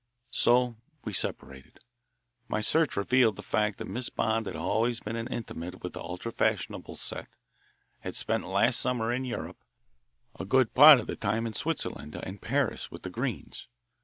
So we separated. My search revealed the fact that Miss Bond had always been intimate with the ultra fashionable set, had spent last summer in Europe, a good part of the time in Switzerland and Paris with the Greenes.